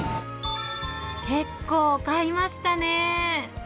結構買いましたね。